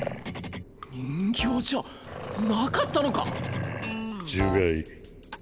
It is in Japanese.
人形じゃなかったのか！